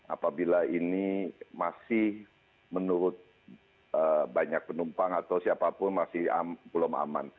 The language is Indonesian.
apabila ini masih menurut banyak penumpang atau siapapun masih belum aman